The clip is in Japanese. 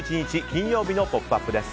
金曜日の「ポップＵＰ！」です。